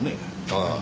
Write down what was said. ああ。